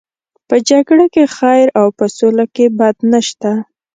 په جګړه کې خیر او په سوله کې بد نشته.